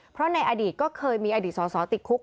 เพราะในอดีตก็เคยมีอดีตสอสอติดคุก